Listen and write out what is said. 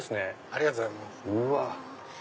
ありがとうございます。